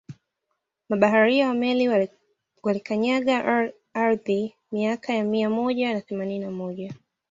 Mabaharia wa Mali walikanyaga aridhi miaka ya Mia moja na themanini na moja